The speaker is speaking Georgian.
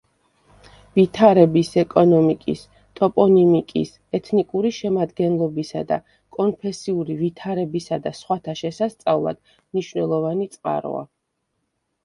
ვითარების, ეკონომიკის, ტოპონიმიკის, ეთნიკური შედგენილობისა, კონფესიური ვითარებისა და სხვათა შესასწავლად მნიშვნელოვანი წყაროა.